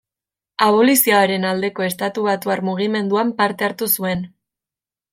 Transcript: Abolizioaren aldeko estatubatuar mugimenduan parte hartu zuen.